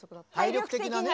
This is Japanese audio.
体力的なね。